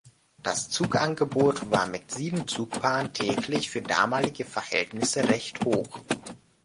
Das Zugangebot war mit sieben Zugpaaren täglich für damalige Verhältnisse recht hoch.